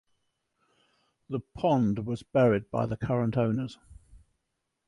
The pond was buried by the current owners.